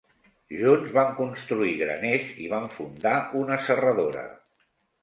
Junts van construir graners i van fundar una serradora.